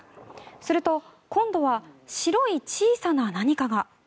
すると、今度は白い小さな何かが。